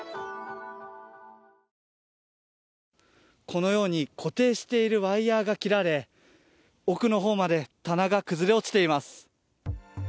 このように固定しているワイヤーが切られ奥の方まで棚が崩れ落ちています。